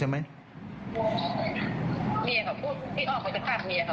เมียเขาพูดพี่อ้อเขาจะกัดเมียเขา